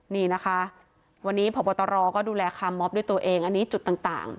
นี่นะคะวันนี้พบตรก็ดูแลคาร์มอบด้วยตัวเองอันนี้จุดต่าง